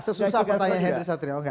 sesusah pertanyaan henry satria